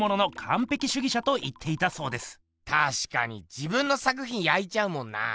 自分の作品焼いちゃうもんなぁ。